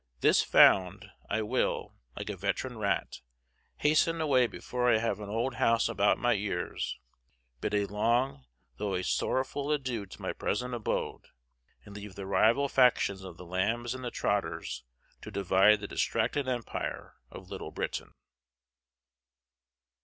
This found, I will, like a veteran rat, hasten away before I have an old house about my ears, bid a long, though a sorrowful adieu to my present abode, and leave the rival factions of the Lambs and the Trotters to divide the distracted empire of LITTLE BRITAIN.